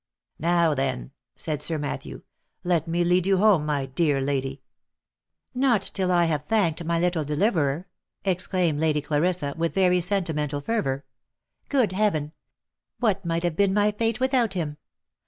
" Now, then," said Sir Matthew, " let me lead you home, my dear lady !"" Not till I have thanked my little deliverer," exclaimed Lady Clarissa, with very sentimental fervour. " Good heaven ! what might have been my fate without him